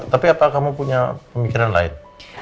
tapi apakah kamu punya pemikiran lain